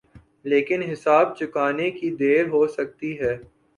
لیکن حساب چکانے کی دیر ہو سکتی ہے۔